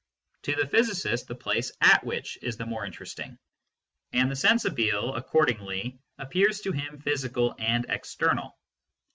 To the physicist the " place at which " is the more interesting, and the " sensibile " accordingly appears to him physical and external.